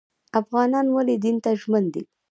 افغانان ولې دین ته ژمن دي؟